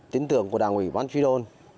tín tưởng của đảng ủy văn phi đôn